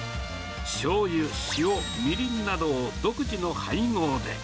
しょうゆ、塩、みりんなどを独自の配合で。